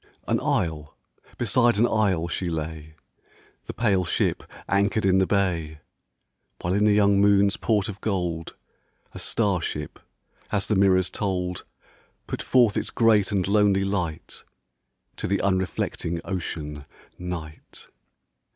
An isle beside an isle she lay, The pale ship anchored in the bay, While in the young moon's port of gold A star ship — as the mirrors told — Put forth its great and lonely light To the unreflecting Ocean, Night.